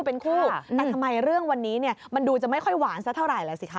แต่ทำไมเรื่องวันนี้มันดูจะไม่ค่อยหวานซะเท่าไหร่ล่ะสิคะ